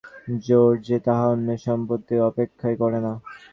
কথার মধ্যে এমন একটা প্রচণ্ড জোর যে, তাহা অন্যের সম্মতির অপেক্ষাই করে না।